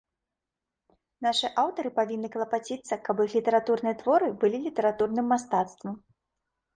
Нашы аўтары павінны клапаціцца, каб іх літаратурныя творы былі літаратурным мастацтвам.